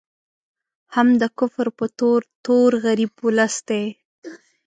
هم د کفر په تور، تور غریب ولس دی